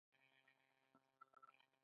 ایا خوب مو پوره دی؟